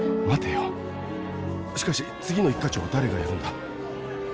待てよしかし次の一課長は誰がやるんだ？